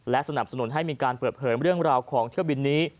สนับสนุนให้มีการเปิดเผยเรื่องราวของเที่ยวบินนี้